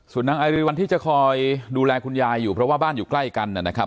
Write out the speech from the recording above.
ส่วนนางอาริวัลที่จะคอยดูแลคุณยายอยู่เพราะว่าบ้านอยู่ใกล้กันนะครับ